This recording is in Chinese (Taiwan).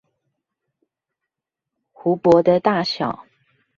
湖泊的大小